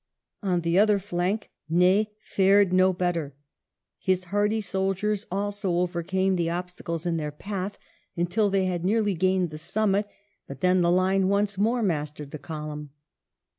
On the other flank Ney fared no better. His hardy soldiers also overcame the obstacles in their path until they had nearly gained the summit, but then the line once more mastered the column.